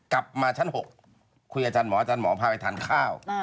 กลับมาชั้น๖คุยกับอาจารย์หมออาจารย์หมอพาไปทานข้าว